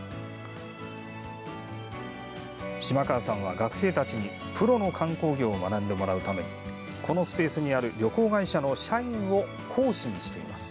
島川さんは、学生たちにプロの観光業を学んでもらうためこのスペースにある旅行会社の社員を講師にしています。